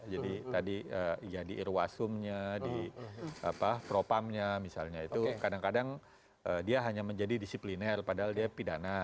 jadi tadi di irwasum nya di propam nya misalnya itu kadang kadang dia hanya menjadi disipliner padahal dia pidana